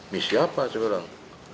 misi apa sekarang